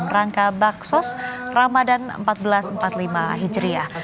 rangka baksos ramadan seribu empat ratus empat puluh lima hijriah